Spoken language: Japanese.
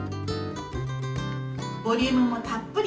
ボリュームもたっぷり！